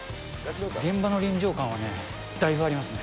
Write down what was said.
現場の臨場感はね、だいぶありますね。